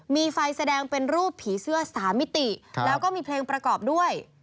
มีไฟแสดงเป็นรูปผีเสื้อ๓มิติแล้วก็มีเพลงประกอบด้วย